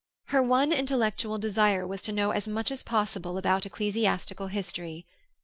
Her one intellectual desire was to know as much as possible about ecclesiastical history.